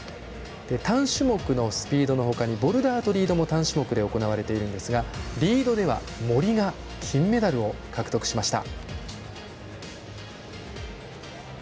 単種目のスピードの他にボルダーとリードも単種目で行われているんですがリードでは森が金メダルを獲得しました。